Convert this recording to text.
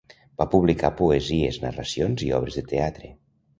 Va Publicar poesies, narracions i obres de teatre.